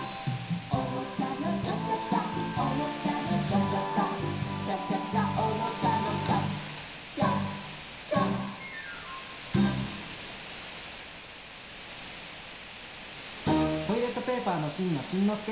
「おもちゃのチャチャチャおもちゃのチャチャチャ」「チャチャチャおもちゃのチャチャチャ」トイレットペーパーのしんのしんのすけ。